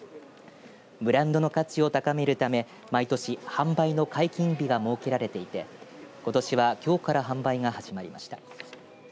ブランドの価値を高めるため毎年、販売の解禁日が設けられていてことしは、きょうから販売が始まりました。